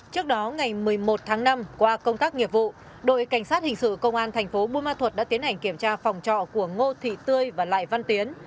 trước đó ngày một mươi một tháng năm qua công tác nghiệp vụ đội cảnh sát hình sự công an thành phố bùa ma thuật đã tiến hành kiểm tra phòng trọ của ngô thị tươi và lại văn tiến